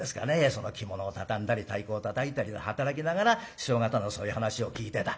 その着物を畳んだり太鼓をたたいたりで働きながら師匠方のそういう話を聞いてた。